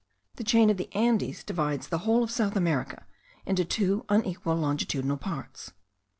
The chain of the Andes divides the whole of South America into two unequal longitudinal parts.